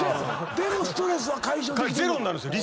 でもストレスは解消できてる？